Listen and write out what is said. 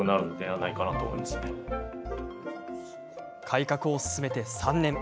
改革を進めて３年。